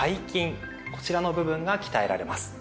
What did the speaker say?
こちらの部分が鍛えられます。